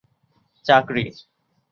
চাকরি